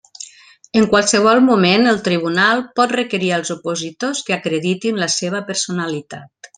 En qualsevol moment el Tribunal pot requerir als opositors que acreditin la seva personalitat.